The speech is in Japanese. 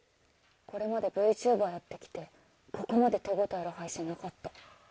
これまでＶＴｕｂｅｒやって来てここまで手応えある配信なかった。